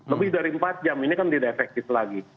lebih dari empat jam ini kan tidak efektif lagi